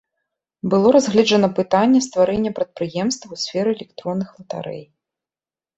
Было разгледжана пытанне стварэння прадпрыемства ў сферы электронных латарэй.